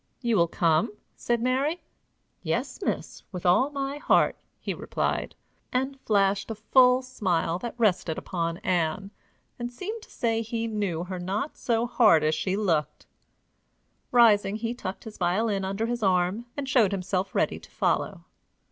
"You will come?" said Mary. "Yes, miss, with all my heart," he replied, and flashed a full smile that rested upon Ann, and seemed to say he knew her not so hard as she looked. Rising, he tucked his violin under his arm, and showed himself ready to follow.